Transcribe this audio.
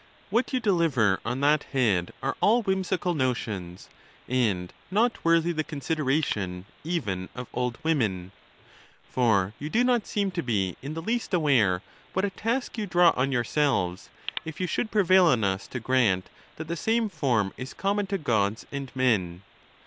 What you deliver on that head are all whimsical notions, and not worthy the considera tion even of old women. For you do not seem to be in the least aware what a task you draw on yourselves, if you should prevail on us to grant that the same form is com mon to Gods and men.